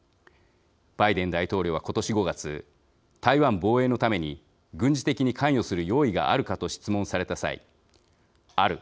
バイデン大統領は、ことし５月台湾防衛のために軍事的に関与する用意があるかと質問された際「ある。